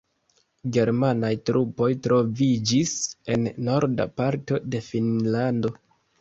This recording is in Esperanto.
Germanaj trupoj troviĝis en norda parto de Finnlando.